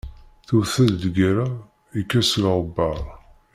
Tewwet-d lgerra, yekkes uɣebbar.